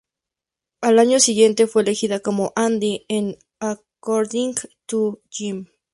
Al año siguiente, fue elegida como "Andy" en "According to Jim".